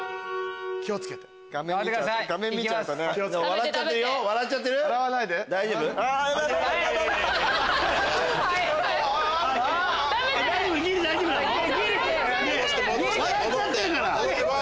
笑っちゃってるから。